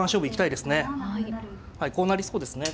はいこうなりそうですね。